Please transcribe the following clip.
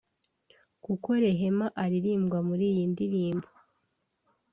kuko Rehema uririmbwa muri iyi ndirimbo